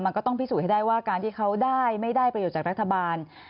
มันก็ต้องพิสูจน์ให้ได้ว่าการที่เขาได้ไม่ได้ประโยชน์จากรัฐบาล